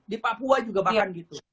di papua juga bahkan gitu